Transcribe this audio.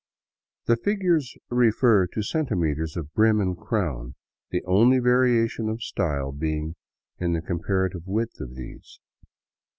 The figures refer to centimeters of brim and crown, the only varia tion of style being in the comparative width of these.